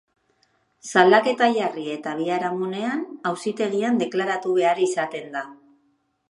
Salaketa jarri eta biharamunean, auzitegian deklaratu behar izaten da.